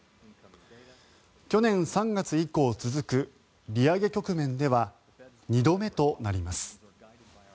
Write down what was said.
去年３月以降続く利上げ局面では２度目となります。